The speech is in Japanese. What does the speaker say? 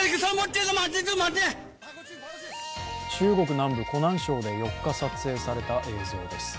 中国南部・湖南省で４日撮影された映像です。